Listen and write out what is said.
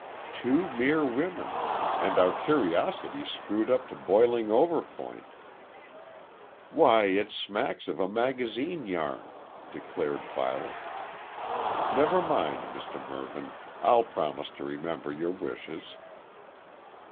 "Two mere women! And our curiosity screwed up to boiling over point." "Why, it smacks of a magazine yarn," declared Violet. "Never mind, Mr Mervyn, I'll promise to remember your wishes."